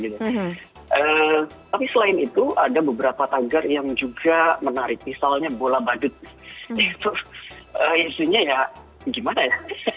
tapi selain itu ada beberapa tagar yang juga menarik misalnya bola badut itu isunya ya gimana ya